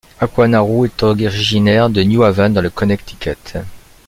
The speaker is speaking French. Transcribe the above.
Akua Naru est originaire de New Haven, dans le Connecticut.